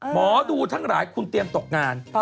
หมอดูทั้งหลายคุณเตรียมตกงาน